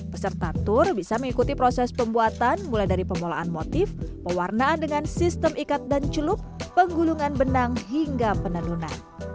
peserta tur bisa mengikuti proses pembuatan mulai dari pemulaan motif pewarnaan dengan sistem ikat dan celup penggulungan benang hingga penenunan